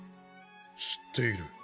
知っている。